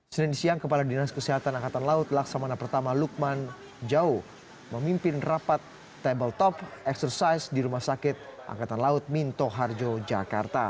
senin siang kepala dinas kesehatan angkatan laut laksamana i lukman jauh memimpin rapat table top exercise di rumah sakit angkatan laut minto harjo jakarta